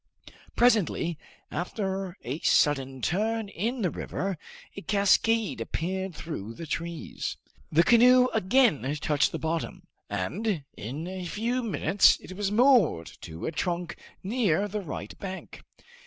Presently, after a sudden turn of the river, a cascade appeared through the trees. The canoe again touched the bottom, and in a few minutes it was moored to a trunk near the right bank.